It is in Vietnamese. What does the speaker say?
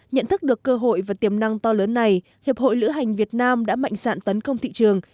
nhận thức được cơ hội và tiềm năng to lớn này hiệp hội lữ hành việt nam đã mạnh dạn tấn công thị trường